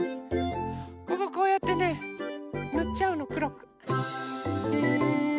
こここうやってねぬっちゃうのくろく。